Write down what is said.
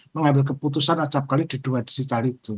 mengambil keputusan acapkali di dua digital itu